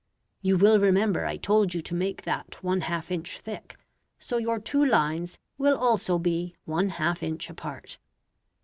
You will remember I told you to make that one half inch thick, so your two lines will also be one half inch apart.